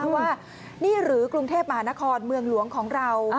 ว่านี่หรือกรุงเทพมหานครเมืองหลวงของเรา